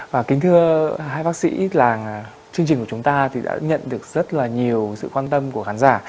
và kính thưa hai bác sĩ là chương trình của chúng ta thì đã nhận được rất là nhiều sự quan tâm của khán giả